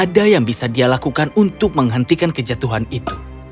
ada yang bisa dia lakukan untuk menghentikan kejatuhan itu